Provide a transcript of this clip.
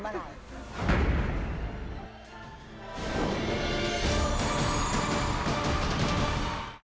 เมื่อไหร่